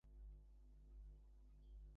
কী, তুমি, আমার বিয়েতে?